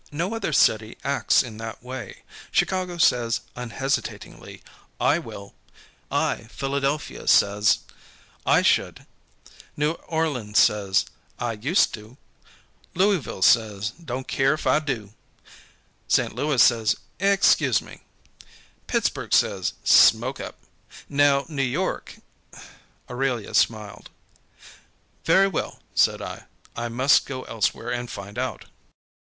No other city acts in that way. Chicago says, unhesitatingly, 'I will;' I Philadelphia says, 'I should;' New Orleans says, 'I used to;' Louisville says, 'Don't care if I do;' St. Louis says, 'Excuse me;' Pittsburg says, 'Smoke up.' Now, New York " Aurelia smiled. "Very well," said I, "I must go elsewhere and find out."